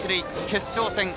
決勝戦